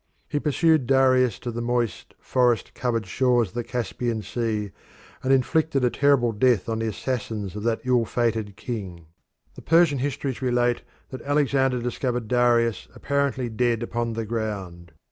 He pursued Darius to the moist, forest covered shores of the Caspian Sea, and inflicted a terrible death on the assassins of that ill fated king. The Persian histories relate that Alexander discovered Darius apparently dead upon the ground.